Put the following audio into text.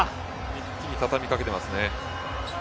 一気に畳みかけていますね。